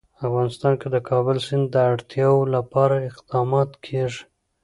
افغانستان کې د کابل سیند د اړتیاوو لپاره اقدامات کېږي.